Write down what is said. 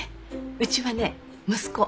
うちはね息子。